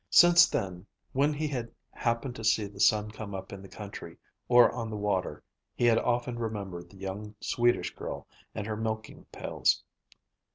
Since then, when he had happened to see the sun come up in the country or on the water, he had often remembered the young Swedish girl and her milking pails.